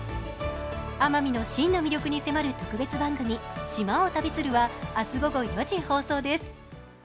奄美の真の魅力に迫る旅番組、「島を旅する」は明日午後４時放送です。